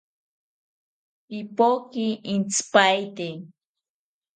Pipoki intzipaete